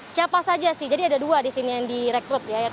siapa saja sih jadi ada dua di sini yang direkrut ya